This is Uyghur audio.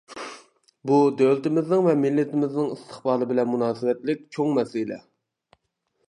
بۇ دۆلىتىمىزنىڭ ۋە مىللىتىمىزنىڭ ئىستىقبالى بىلەن مۇناسىۋەتلىك چوڭ مەسىلە.